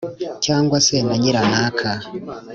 cyangwa se na nyiranaka“